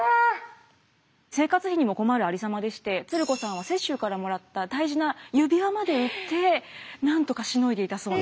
生活費にも困るありさまでして鶴子さんは雪洲からもらった大事な指輪まで売ってなんとかしのいでいたそうなんです。